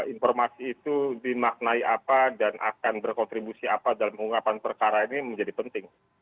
informasi itu dimaknai apa dan akan berkontribusi apa dalam pengungkapan perkara ini menjadi penting